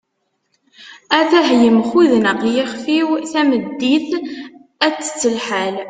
at-ah yemxudneq yixef-iw, tameddit ad tett lḥal